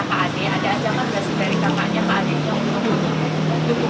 perhiasan aja kalau mau dukung